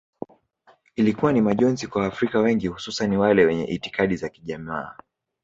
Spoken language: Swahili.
Ilikuwa ni majonzi kwa waafrika wengi hususani wale wenye itikadi za kijamaa